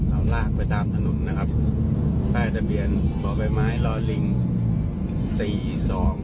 เอาลากไปตามถนนนะครับป้ายทะเบียนบ่อใบไม้ลอลิงสี่สอง